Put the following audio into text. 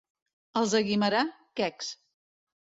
Els de Guimerà, quecs.